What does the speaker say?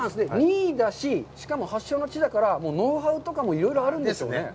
２位だし、しかも発祥の地だから、ノウハウとかもいろいろあるんですね。